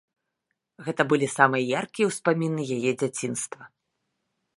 Гэта былі самыя яркія ўспаміны яе дзяцінства.